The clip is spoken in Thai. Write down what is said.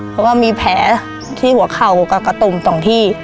เพราะว่ามีแผลที่หัวเข่ากับกระตุ่ม๒ที่